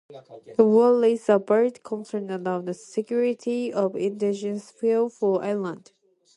The war raised a valid concern around the security of indigenous fuel for Ireland.